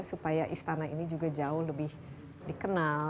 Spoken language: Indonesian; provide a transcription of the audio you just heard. supaya istana ini juga jauh lebih dikenal